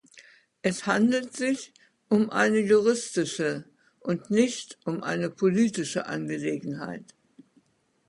Es handelt sich um eine juristische und nicht um eine politische Angelegenheit.